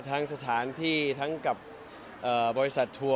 ทั้งสถานที่ทั้งกับบรวยศัตรูทว่า